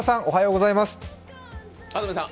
おはようございます。